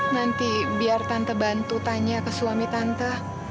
nanti biar tante tanya ke suami tante